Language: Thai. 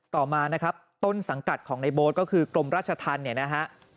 ต่อมาต้นสังกัดของในโบ๊ทก็คือกรมราชธรรม